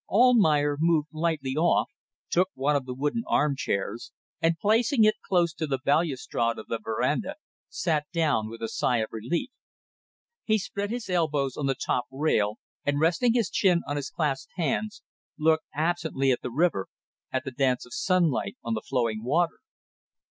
Almayer moved lightly off, took one of the wooden armchairs, and placing it close to the balustrade of the verandah sat down with a sigh of relief. He spread his elbows on the top rail and resting his chin on his clasped hands looked absently at the river, at the dance of sunlight on the flowing water.